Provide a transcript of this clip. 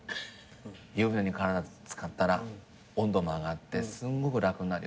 「湯船に体漬かったら温度も上がってすんごく楽になるよ」